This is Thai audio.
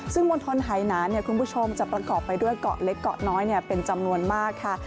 ซึ่งมณฑลหายหนาคุณผู้ชมจะประกอบไปด้วยเกาะเล็กเกาะน้อยเป็นจำนวนมากค่ะ